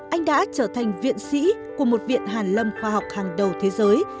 anh đã trở thành viện sĩ của một viện hàn lâm khoa học hàng đầu thế giới